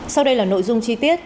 sau đây là nội dung chi tiết